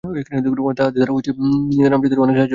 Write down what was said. তাহাদের দ্বারাও রামচাঁদের অনেক সাহায্য হইত।